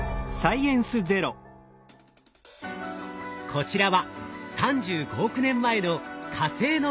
こちらは３５億年前の火星の想像図。